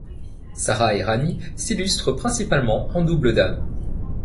Sara Errani s'illustre principalement en double dames.